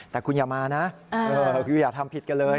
แต่คุณอย่ามานะคืออย่าทำผิดกันเลย